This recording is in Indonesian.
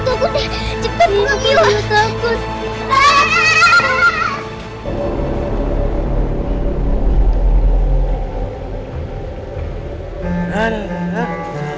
bukan apa apa terawali malah leleh